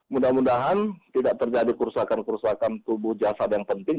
mudah mudahan tidak terjadi kerusakan kerusakan tubuh jasad yang penting